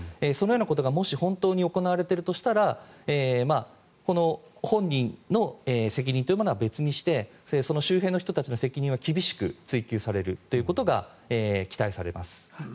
そのようなことがもし本当に行われているとしたらこの本人の責任は別にしてその周辺の人たちの責任は厳しく追及されることが期待されます。